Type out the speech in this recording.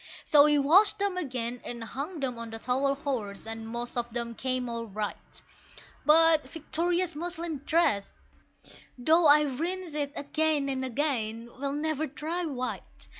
So we washed them again and hung them on the towel horse, and most of them came all right, But Victoria's muslin dress though I rinsed it again and again will never dry white!